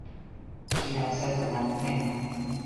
She had said the wrong thing.